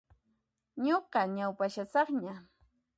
Nuqa ñaupashasaqña.